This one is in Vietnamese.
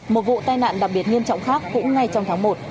một vụ tai nạn đặc biệt nghiêm trọng khác cũng ngay trong tháng một